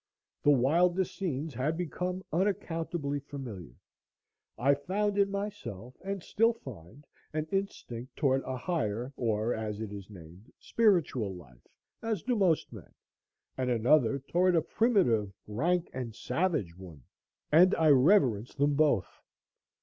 The wildest scenes had become unaccountably familiar. I found in myself, and still find, an instinct toward a higher, or, as it is named, spiritual life, as do most men, and another toward a primitive rank and savage one, and I reverence them both.